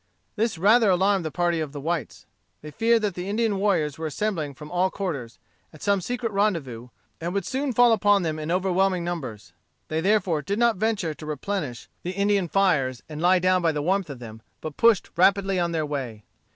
This rather alarmed the party of the whites. They feared that the Indian warriors were assembling from all quarters, at some secret rendezvous, and would soon fall upon them in overwhelming numbers. They therefore did not venture to replenish the Indian fires and lie down by the warmth of them, but pushed rapidly on their way.